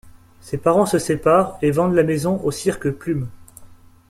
Ses parents se séparent et vendent la maison au cirque Plume.